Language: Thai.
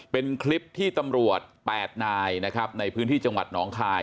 เป็นคลิปที่ตำรวจ๘นายนะครับในพื้นที่จังหวัดหนองคาย